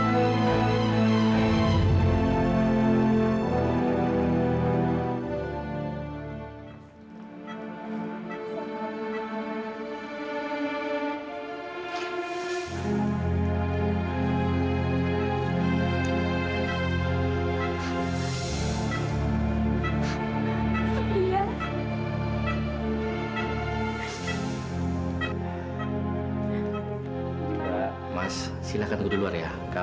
tidak ada wajah